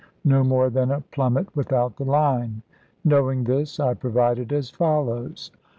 No more than a plummet without the line. Knowing this, I provided as follows.